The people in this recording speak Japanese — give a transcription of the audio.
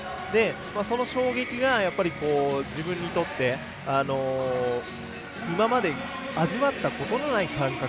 その衝撃が、自分にとって今まで味わったことのない感覚。